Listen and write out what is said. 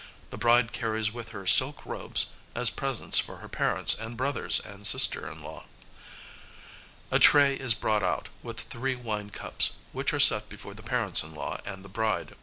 The bride carries with her silk robes, as presents for her parents and brothers and sister in law. A tray is brought out, with three wine cups, which are set before the parents in law and the bride.